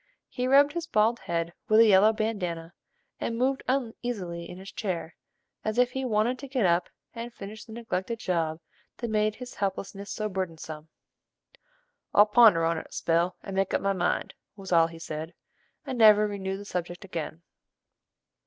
He rubbed his bald head with a yellow bandana, and moved uneasily in his chair, as if he wanted to get up and finish the neglected job that made his helplessness so burdensome. "I'll ponder on 't a spell, and make up my mind," was all he said, and never renewed the subject again.